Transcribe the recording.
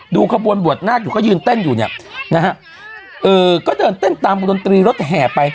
ขบวนบวชนาคอยู่ก็ยืนเต้นอยู่เนี่ยนะฮะเออก็เดินเต้นตามดนตรีรถแห่ไป